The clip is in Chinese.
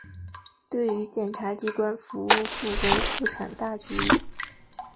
对于检察机关服务复工复产大局